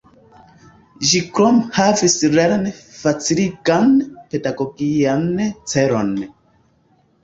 Ĝi krome havis lern-faciligan, pedagogian celon.